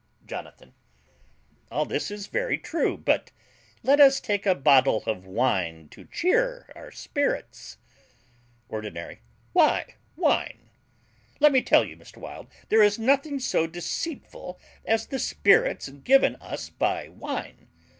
JONATHAN. All this is very true; but let us take a bottle of wine to cheer our spirits. ORDINARY. Why wine? Let me tell you, Mr. Wild, there is nothing so deceitful as the spirits given us by wine.